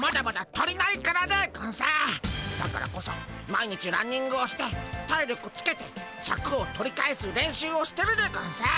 だからこそ毎日ランニングをして体力つけてシャクを取り返す練習をしてるでゴンス。